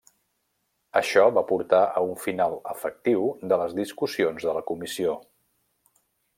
Això va portar a un final efectiu de les discussions de la Comissió.